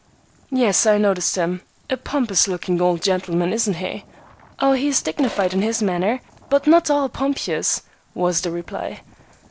"Yes, I noticed him. A pompous looking old gentleman, isn't he?" "Oh, he is dignified in his manner, but not at all pompous," was the reply.